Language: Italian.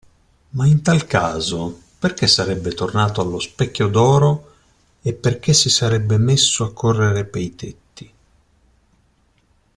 Ma in tal caso perché sarebbe tornato allo Specchio d'Oro e perché si sarebbe messo a correre pei tetti?